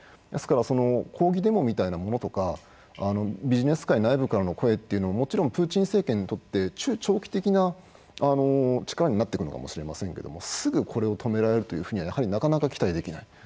ですから抗議デモみたいなものとかビジネス界内部からの声はもちろんプーチン政権にとって中長期的な力になっていくのかも知れませんけどすぐこれを止められるというふうにはなかなか期待できない。